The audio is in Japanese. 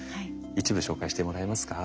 一部紹介してもらえますか。